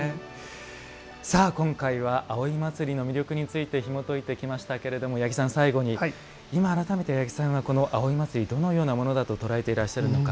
さあ、今回は葵祭の魅力についてひもといてきましたけれども八木さん、最後に今、改めて八木さんがこの葵祭どのようなものだと捉えていらっしゃるのか。